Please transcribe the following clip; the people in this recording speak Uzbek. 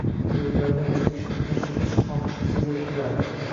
So'zlaridan chekishni tashlatish xoxishi sezilib turardi.